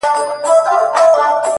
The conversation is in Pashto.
• هر ستمګر ته د اغزیو وطن,